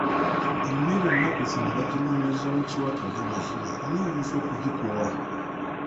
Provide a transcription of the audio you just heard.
Emmere enakuzino bajinonyeza mu kiwato ng'amazina ani ayinza okugikuwa?